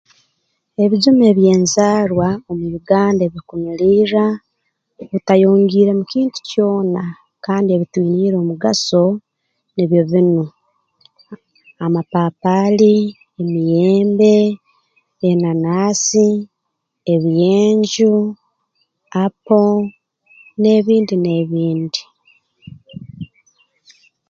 Ebijuma eby'enzaarwa omu Uganda ebirukunulirra bitayongiiremu kintu kyona kandi ebitwiniire omugaso nibyo binu amapapaali emiyembe enanaasi ebyenju apo n'ebindi n'ebindi